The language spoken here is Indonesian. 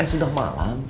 eh sudah malam